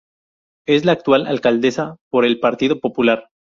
Es la actual alcaldesa por el Partido Popular.